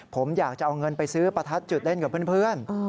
ผมอยากจะเอาเงินไปซื้อประทัดจุดเล่นกับเพื่อน